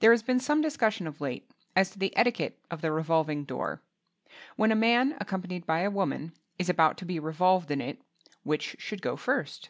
There has been some discussion of late as to the etiquette of the revolving door. When a man accompanied by a woman is about to be revolved in it, which should go first?